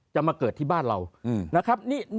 มาเกิดที่บ้านเรานะครับ